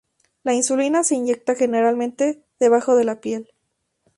La insulina se inyecta generalmente debajo de la piel.